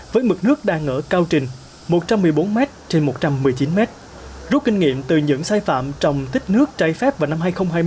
với mực nước đang ở cao trình một trăm một mươi bốn m trên một trăm một mươi chín m rút kinh nghiệm từ những sai phạm trong tích nước trái phép vào năm hai nghìn hai mươi